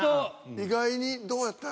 意外にどうやったやろ。